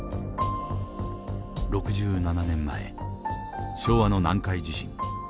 ６７年前昭和の南海地震。